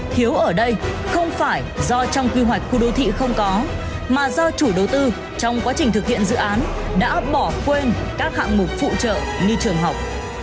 thiếu ở đây không phải do trong quy hoạch khu đô thị không có mà do chủ đầu tư trong quá trình thực hiện dự án đã bỏ quên các hạng mục phụ trợ như trường học